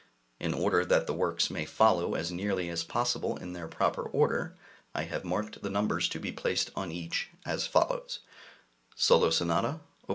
In order that the works may follow as nearly as possible in their proper order, I have marked the numbers to be placed on each, as follows: Solo Sonata, Op.